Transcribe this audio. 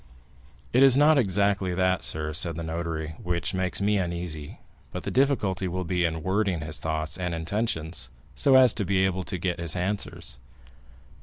"It is not exactly that, sir," said the notary, "which makes me uneasy, but the difficulty will be in wording his thoughts and intentions, so as to be able to get his answers."